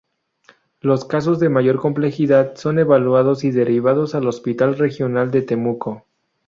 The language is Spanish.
Los casos de mayor complejidad son evaluados y derivados al Hospital Regional de Temuco.